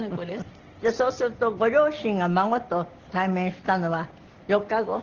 そうするとご両親が孫と対面したのは４日後？